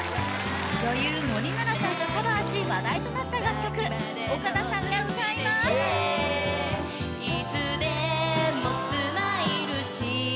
女優森七菜さんがカバーし話題となった楽曲岡田さんが歌いますさっきまでの調子でｙｅａｈヘイ！